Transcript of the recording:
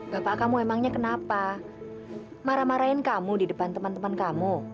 bapak kamu emangnya kenapa marah marahin kamu di depan teman teman kamu